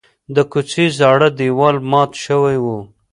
د کوڅې زاړه دیوال مات شوی و.